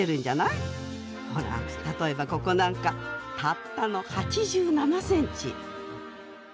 ほら例えばここなんかたったの８７センチ！